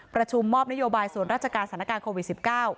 ประชุมมอบนโยบายส่วนราชการสถานการณ์โควิด๑๙